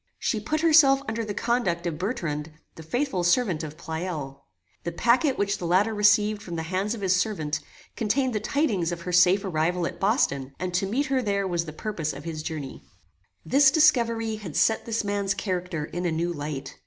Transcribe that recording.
She put herself under the conduct of Bertrand, the faithful servant of Pleyel. The pacquet which the latter received from the hands of his servant, contained the tidings of her safe arrival at Boston, and to meet her there was the purpose of his journey. This discovery had set this man's character in a new light.